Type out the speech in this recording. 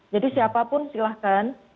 jadi siapapun silahkan